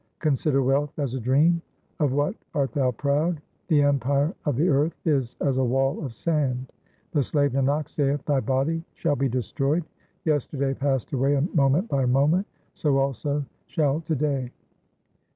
Consider wealth as a dream ; of what art thou proud ? the empire of the earth is as a wall of sand. The slave Nanak saith, thy body shall be destroyed ; yesterday passed away moment by moment, so also shall to day.